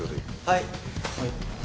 はい！